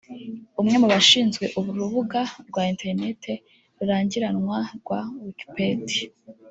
umwe mu bashinze urubuga rwa Internet rurangiranwa rwa Wikipedia